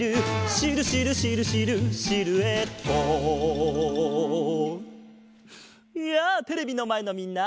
「シルシルシルシルシルエット」やあテレビのまえのみんな！